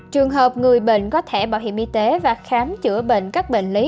trường hợp người bệnh có thẻ bảo hiểm y tế và khám chữa bệnh các bệnh lý